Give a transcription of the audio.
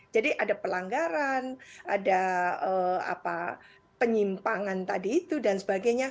jadi ada pelanggaran ada penyimpangan tadi itu dan sebagainya